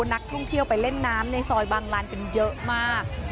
นักท่องเที่ยวไปเล่นน้ำในซอยบางลานกันเยอะมาก